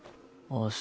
明日。